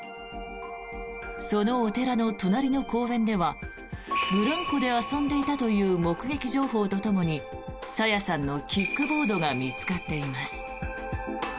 そのお寺の隣の公園ではブランコで遊んでいたという目撃情報とともに朝芽さんのキックボードが見つかっています。